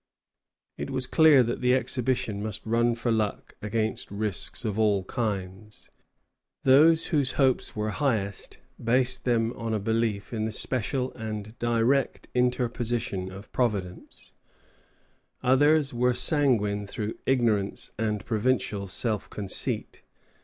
It was clear that the expedition must run for luck against risks of all kinds. Those whose hopes were highest, based them on a belief in the special and direct interposition of Providence; others were sanguine through ignorance and provincial self conceit.